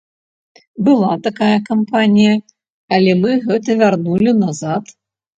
Была такая кампанія, але мы гэта вярнулі назад.